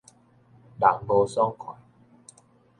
人無爽快